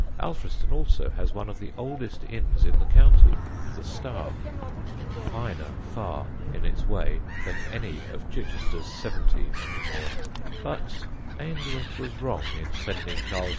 Alfriston also has one of the oldest inns in the county the "Star" (finer far in its way than any of Chichester's seventy and more); but Ainsworth was wrong in sending Charles II.